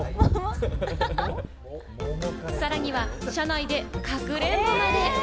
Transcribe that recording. さらには車内でかくれんぼまで。